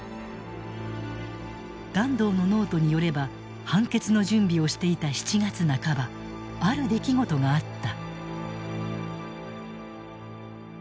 團藤のノートによれば判決の準備をしていた７月半ばある出来事があった。